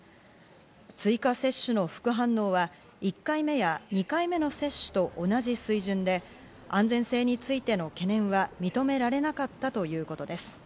追加接種の副反応は１回目や２回目の接種と同じ水準で、安全性についての懸念は認められなかったということです。